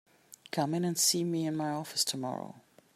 Come in and see me in my office tomorrow.